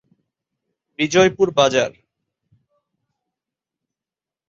বিজয়পুর বাজার